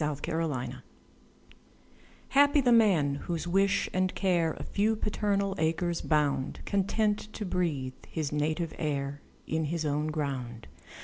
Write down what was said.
Y Z Solitude HAPPY the man, whose wish and care A few paternal acres bound, Content to breathe his native air In his own ground.